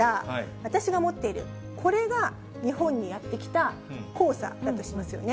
私が持っているこれが日本にやって来た黄砂だとしますよね。